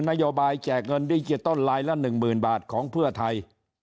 นโยบายแจกเงินดิจิตอลลายละ๑๐๐๐บาทของเพื่อไทย